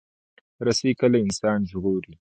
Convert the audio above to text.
رسۍ کله انسان ژغوري.